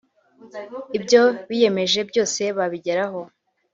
ibyo biyemeje byose babigeraho